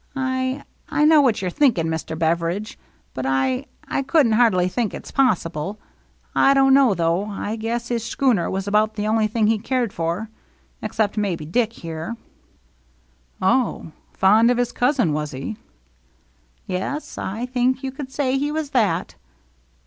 I — I know what you're thinking, Mr. Beveridge, but I — I can't hardly think it's possible. I don't know, though, I guess his schooner was about the 224 THE MERRT ANNE only thing he cared for, except maybe Dick here." " Oh, fond of his cousin, was he ?"" Yes, I think you could say he was that."